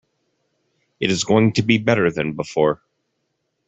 It is going to be better than before.